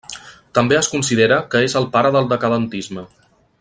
També es considera que és el pare del decadentisme.